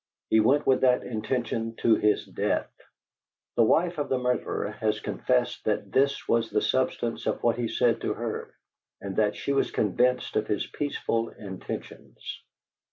He went with that intention to his death. The wife of the murderer has confessed that this was the substance of what he said to her, and that she was convinced of his peaceful intentions.